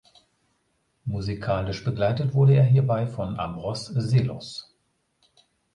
Musikalisch begleitet wurde er hierbei von Ambros Seelos.